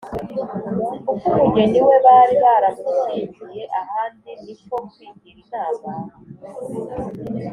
kuko umugeni we bari baramushyingiye ahandi. ni ko kwigira inama